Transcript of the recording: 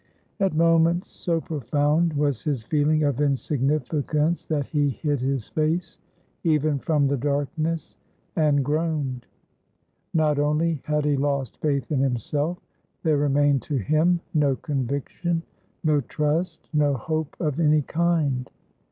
At moments, so profound was his feeling of insignificance that he hid his face even from the darkness, and groaned. Not only had he lost faith in himself; there remained to him no conviction, no trust, no hope of any kind.